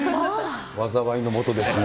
災いのもとですね。